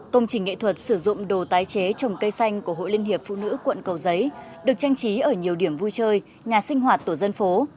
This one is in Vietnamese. công trình nghệ thuật sử dụng đồ tái chế trồng cây xanh của hội liên hiệp phụ nữ quận cầu giấy được trang trí ở nhiều điểm vui chơi nhà sinh hoạt tổ dân phố